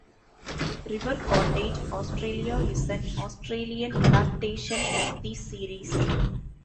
River Cottage Australia is an Australian adaptation of the series.